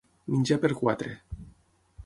Menjar per quatre.